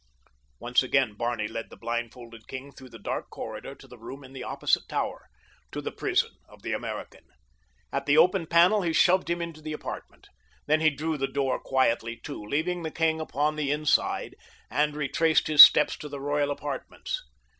Once again Barney led the blindfolded king through the dark corridor to the room in the opposite tower—to the prison of the American. At the open panel he shoved him into the apartment. Then he drew the door quietly to, leaving the king upon the inside, and retraced his steps to the royal apartments.